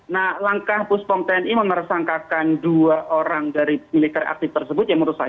nah langkah puspong tni memersangkakan dua orang dari militer aktif tersebut ya menurut saya